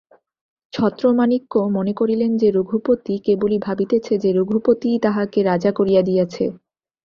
ছত্রমাণিক্য মনে করিলেন যে, রঘুপতি কেবলই ভাবিতেছে যে রঘুপতিই তাঁহাকে রাজা করিয়া দিয়াছে।